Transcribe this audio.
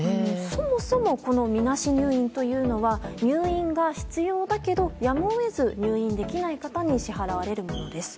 そもそもみなし入院というのは入院が必要だけど、やむを得ず入院できない方に支払われるものです。